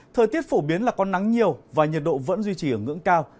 thời tiết phổ biến là có nắng nhiều và nhiệt độ vẫn duy trì ở ngưỡng cao